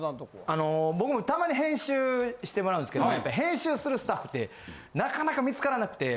あの僕もたまに編集してもらうんですけど編集するスタッフってなかなか見つからなくて。